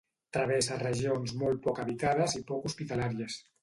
Travessa regions molt poc habitades i poc hospitalàries.